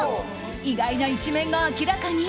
意外な一面が明らかに。